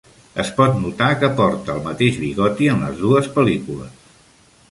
Es pot notar que porta el mateix bigoti en les dues pel·lícules.